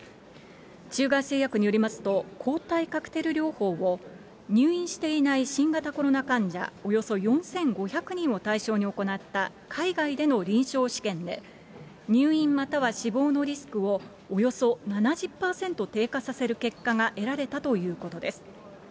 中外製薬によりますと、抗体カクテル療法を、入院していない新型コロナ患者、およそ４５００人を対象に行った海外での臨床試験で、入院または死亡のリスクを、およそ７０％低下させる結果が得られたということです。